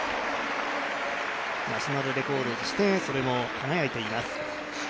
ナショナルレコードとして、それも輝いています。